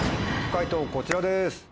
解答こちらです。